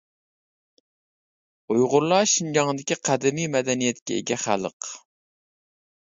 ئۇيغۇرلار شىنجاڭدىكى قەدىمىي مەدەنىيەتكە ئىگە خەلق.